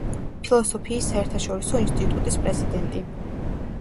ფილოსოფიის საერთაშორისო ინსტიტუტის პრეზიდენტი.